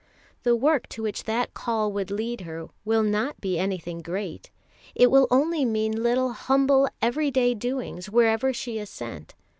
The work to which that Call would lead her will not be anything great: it will only mean little humble everyday doings wherever she is sent.